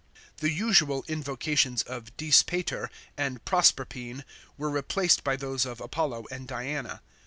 The usual invocations of Dis Pater and Proserpine were replaced by those of Apollo and Diana.